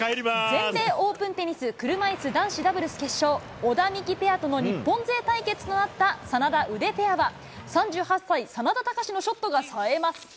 全米オープンテニス、車いす男子ダブルス決勝、小田・三木ペアとの日本勢対決となった眞田・ウデペアは、３８歳、眞田卓のショットがさえます。